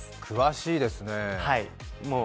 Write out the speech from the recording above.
詳しいですねえ。